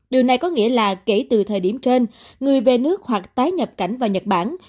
điều này có nghĩa là kể từ thời điểm trên người về nước hoặc tái nhập cảnh vào nhật bản